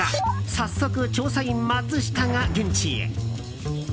早速、調査員・マツシタが現地へ。